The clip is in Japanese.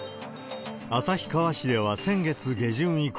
旭川市では先月下旬以降、